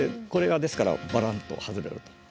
これがですからバランと外れると。